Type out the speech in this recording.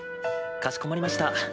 かしこまりました。